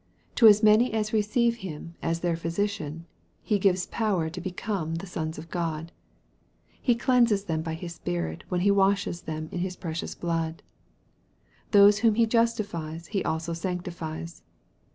To as many as receive Him as their Physician, He gives power to become the sons of God. He cleanses them by His Spirit, when He washes them in His precious blood. Those whom He justifies, He also sanctifies.